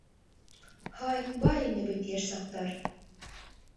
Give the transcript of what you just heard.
Һай, бар ине бит йәш саҡтар...